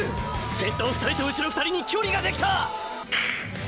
先頭２人とうしろ２人に距離ができた！！